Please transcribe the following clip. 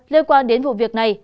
lê quan đến vụ việc này